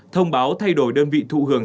thông báo thay đổi đơn vị thụ hưởng